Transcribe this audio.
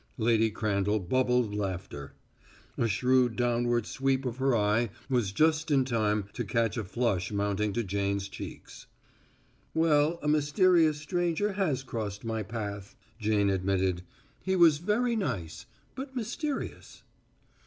Lady Crandall bubbled laughter. A shrewd downward sweep of her eye was just in time to catch a flush mounting to Jane's cheeks. "Well, a Mysterious Stranger has crossed my path," Jane admitted. "He was very nice, but mysterious."